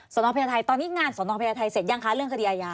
นองพญาไทยตอนนี้งานสนพญาไทยเสร็จยังคะเรื่องคดีอาญา